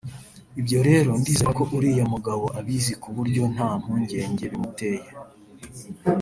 Ibyo rero ndizerako uriya mugabo abizi ku buryo nta mpungenge bimuteye